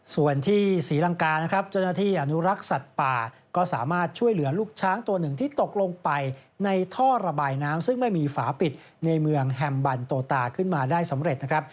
ส่วนที่ศรีลังกานะครับเจ้าหน้าที่อนุรักษ์สัตว์ป่าก็สามารถช่วยเหลือลูกช้างตัวหนึ่งที่ตกลงไปในท่อระบายน้ำซึ่งไม่มีฝาปิดในเมืองแฮมบันโตตาขึ้นมาได้สำเร็จนะครับ